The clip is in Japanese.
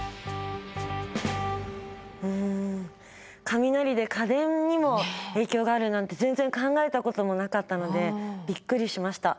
雷で家電にも影響があるなんて全然考えたこともなかったのでびっくりしました。